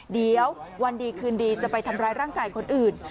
เดี๋ยววันดีคืนดีจะไปทำร้ายร่างกายคนอื่น